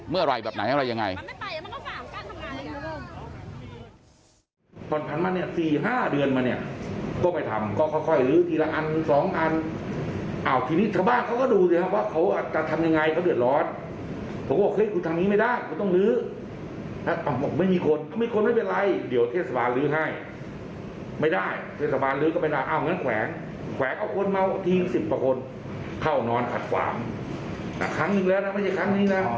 เมื่อไหร่แบบไหนอะไรยังไง